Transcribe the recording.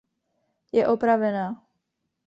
Je opravená.